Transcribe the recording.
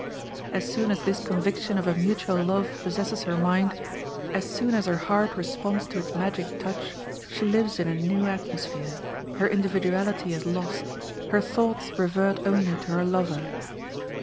As soon as this conviction of a mutual love possesses her mind, as soon as her heart responds to its magic touch, she lives in a new atmosphere; her individuality is lost; her thoughts revert only to her lover.